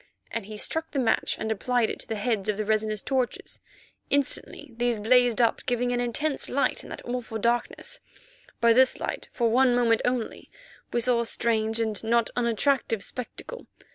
and he struck the match and applied it to the heads of the resinous torches. Instantly these blazed up, giving an intense light in that awful darkness. By this light, for one moment only, we saw a strange, and not unattractive spectacle.